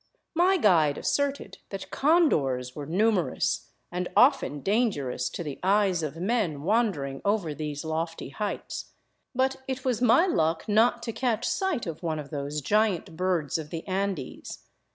My guide asserted that condors were numerous, and often dangerous to the eyes of men wandering over these lofty heights ; but it was my luck not to catch sight of one of those giant birds of the Andes.